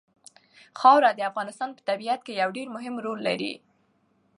خاوره د افغانستان په طبیعت کې یو ډېر مهم رول لري.